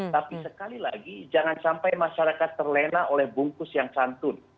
tapi sekali lagi jangan sampai masyarakat terlena oleh bungkus yang santun